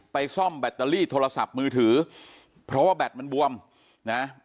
ซ่อมแบตเตอรี่โทรศัพท์มือถือเพราะว่าแบตมันบวมนะ